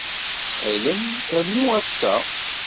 Ttxil-m, rnu ass-a.